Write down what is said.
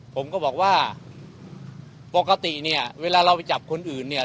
ผมก็บอกว่าปกติเนี่ยเวลาเราไปจับคนอื่นเนี่ย